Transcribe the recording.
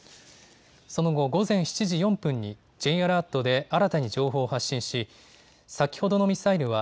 その後、午前７時４分にＪアラートで新たに情報を発信し先ほどのミサイルは